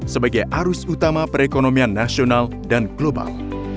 sebagai arus utama perekonomian nasional dan global